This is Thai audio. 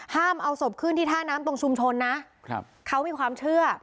เอาศพขึ้นที่ท่าน้ำตรงชุมชนนะครับเขามีความเชื่อ